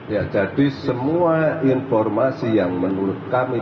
ya jadi semua informasi yang menurut kami